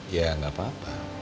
ya gak apa apa